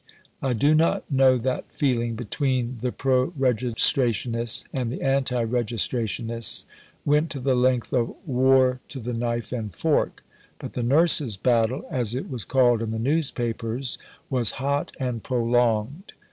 I do not know that feeling between the pro Registrationists and the anti Registrationists went to the length of war to the knife and fork; but the "Nurses' Battle" (as it was called in the newspapers) was hot and prolonged.